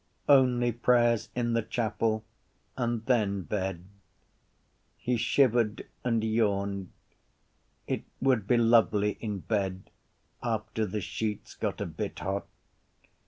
Only prayers in the chapel and then bed. He shivered and yawned. It would be lovely in bed after the sheets got a bit hot.